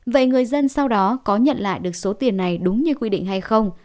vậy người dân sau đó có nhận lại được số tiền này đúng như quy định hay không